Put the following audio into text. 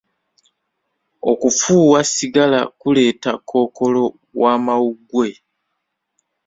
Okufuuwa sigala kuleeta kookolo w'amawuggwe.